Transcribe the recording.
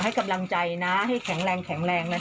ให้กำลังใจนะให้แข็งแรงแข็งแรงนะคะ